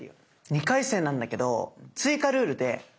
２回戦なんだけど追加ルールでこちら！